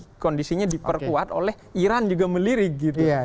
karena kondisinya diperkuat oleh iran juga melirik gitu